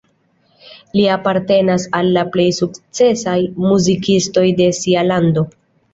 Li apartenas al la plej sukcesaj muzikistoj de sia lando.